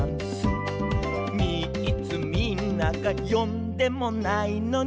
「みっつみんながよんでもないのに」